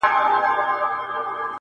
• خدای دي ووهه پر ما به توره شپه کړې -